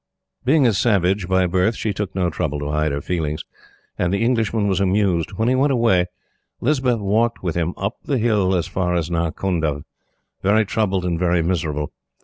Being a savage by birth, she took no trouble to hide her feelings, and the Englishman was amused. When he went away, Lispeth walked with him, up the Hill as far as Narkunda, very troubled and very miserable.